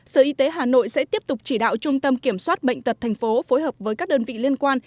sở y tế hà nội sẽ tiếp tục chỉ đạo trung tâm kiểm soát bệnh tật thành phố phối hợp với các đơn vị liên quan